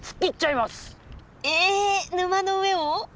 えっ沼の上を？